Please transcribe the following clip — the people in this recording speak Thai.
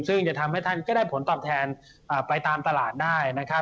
ซึ่งจะทำให้ท่านก็ได้ผลตอบแทนไปตามตลาดได้นะครับ